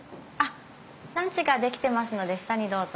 ランチが出来てますので下にどうぞ。